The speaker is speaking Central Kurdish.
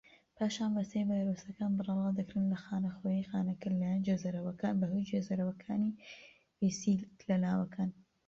پاشان وەچەی ڤایرۆسەکان بەرەڵا دەکرێن لە خانەخوێی خانەکە لەلایەن گوێزەرەوەکان بەهۆی گوێزەرەوەکانی ڤیسیکڵەکانەوە.